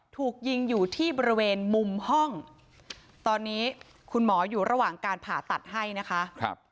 ถูกยิงอยู่ที่บริเวณมุมห้องตอนนี้คุณหมออยู่ระหว่างการผ่าตัดให้นะคะ